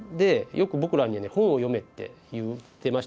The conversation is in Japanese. よく僕らには本を読めって言ってました。